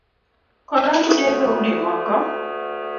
Koro nitie dhoudi moko